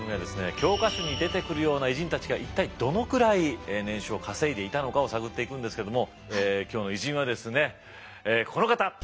教科書に出てくるような偉人たちが一体どのくらい年収を稼いでいたのかを探っていくんですけども今日の偉人はですねこの方